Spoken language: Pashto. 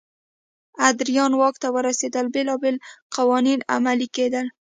ادریان واک ته ورسېدل بېلابېل قوانین عملي کېدل.